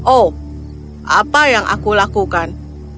oh apa yang aku lakukan